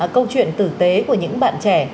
câu chuyện tử tế của những bạn trẻ